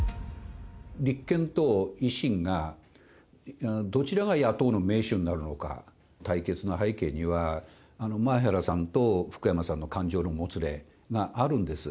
立憲と維新が、どちらが野党の盟主になるのか、対決の背景には、前原さんと福山さんの感情のもつれがあるんです。